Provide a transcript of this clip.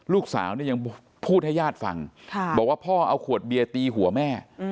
ลูกสาวเนี่ยยังพูดให้ญาติฟังบอกว่าพ่อเอาขวดเบียร์ตีหัวแม่